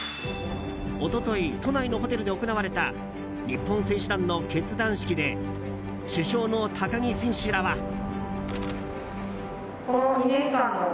一昨日、都内のホテルで行われた日本選手団の結団式で主将の高木選手らは。